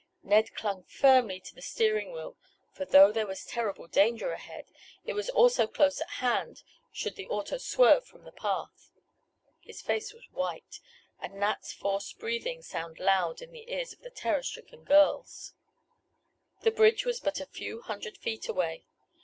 Ned clung firmly to the steering wheel, for though there was terrible danger ahead, it was also close at hand should the auto swerve from the path. His face was white, and Nat's forced breathing sounded loud in the ears of the terror stricken girls. The bridge was but a few hundred feet away.